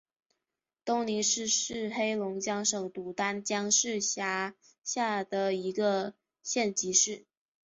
东宁市是黑龙江省牡丹江市下辖的一个县级市。